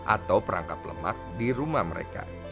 atau perangkap lemak di rumah mereka